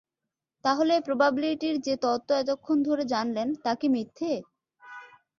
তাহলে প্রবাবিলিটির যে তত্ত্ব এতক্ষন ধরে জানলেন তা কি মিথ্যে?